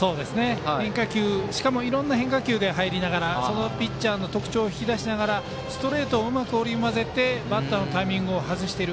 しかもいろんな変化球で入りながらそのピッチャーの特徴を引き出しながらストレートをうまく織り交ぜてバッターのタイミングを外す。